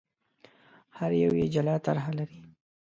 هر یو یې جلا طرح لري.